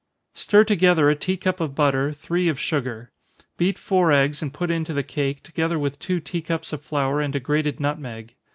_ Stir together a tea cup of butter, three of sugar beat four eggs, and put into the cake, together with two tea cups of flour, and a grated nutmeg.